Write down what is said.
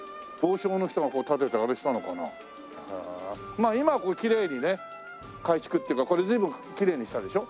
まあ今はきれいにね改築っていうかこれ随分きれいにしたでしょ？